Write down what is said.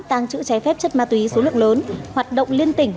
tàng trữ trái phép chất ma túy số lượng lớn hoạt động liên tỉnh